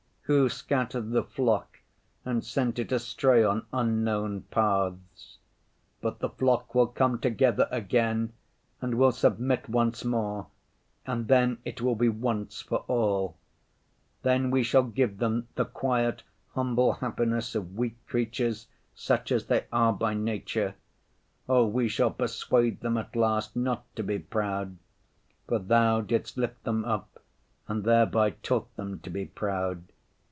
Who scattered the flock and sent it astray on unknown paths? But the flock will come together again and will submit once more, and then it will be once for all. Then we shall give them the quiet humble happiness of weak creatures such as they are by nature. Oh, we shall persuade them at last not to be proud, for Thou didst lift them up and thereby taught them to be proud.